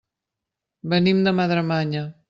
Venim de Madremanya.